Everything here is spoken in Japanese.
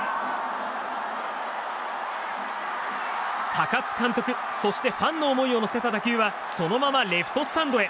高津監督、そしてファンの思いを乗せた打球はそのままレフトスタンドへ。